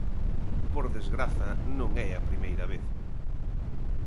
Por desgraza, non é a primeira vez.